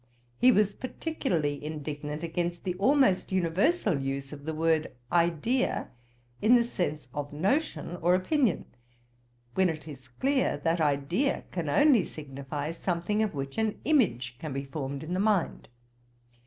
He was particularly indignant against the almost universal use of the word idea in the sense of notion or opinion, when it is clear that idea can only signify something of which an image can be formed in the mind.